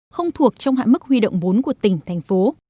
không thuộc trong hãng mức huy động bốn của tỉnh thành phố